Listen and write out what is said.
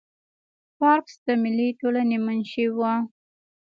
پارکس د ملي ټولنې منشي وه.